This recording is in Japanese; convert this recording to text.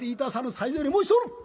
最前より申しておる。